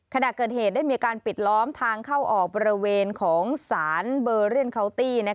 ขณะเกิดเหตุได้มีการปิดล้อมทางเข้าออกบริเวณของสารเบอร์เรียนเคาน์ตี้